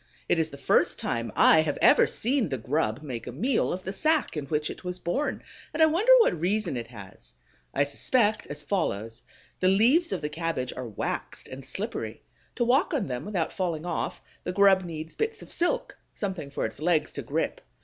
It is the first time I have ever seen the grub make a meal of the sack in which it was born, and I wonder what reason it has. I suspect as follows: the leaves of the cabbage are waxed and slippery. To walk on them without falling off, the grub needs bits of silk, something for its legs to grip.